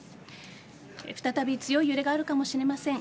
再び強い揺れがあるかもしれません。